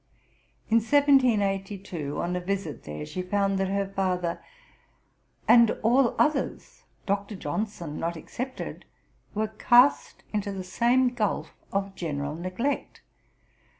In 1782, on a visit there, she found that her father 'and all others Dr. Johnson not excepted were cast into the same gulf of general neglect.